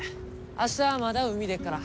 明日まだ海出っから。